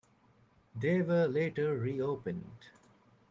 They were later reopened.